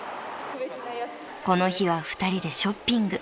［この日は２人でショッピング］